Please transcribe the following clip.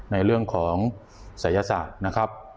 ในเรื่องของศัยศาสตร์นะครับ